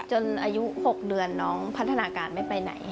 จนอายุ๖เดือนน้องพัฒนาการไม่ไปไหน